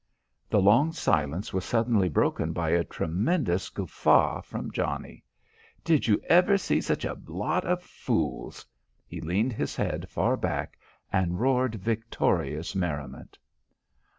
The long silence was suddenly broken by a tremendous guffaw from Johnnie. "Did you ever see sich a lot of fools!" He leaned his head far back and roared victorious merriment.